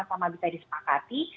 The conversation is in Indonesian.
sama sama bisa disepakati